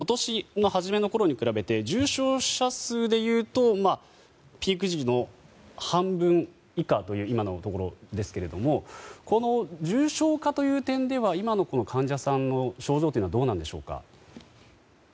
赤い線が重症者の数を表しているんですがこれを見ると今年初めのころに比べて重症者数でいうとピーク時の半分以下という今のところですけれどもこの重症化という点では今の患者さんの症状というのはどうなんでしょうか。